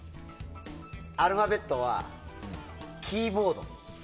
アルファベットはキーボード。